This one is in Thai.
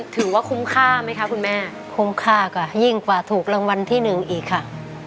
ถือว่าคุ้มค่าไหมคะคุณแม่คุ้มค่ากว่ายิ่งกว่าถูกรางวัลที่หนึ่งอีกค่ะ